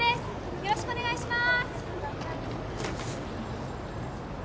よろしくお願いします